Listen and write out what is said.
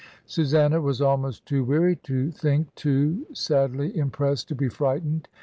Susanna was almost too weary to think, too sadly impressed to be frightened.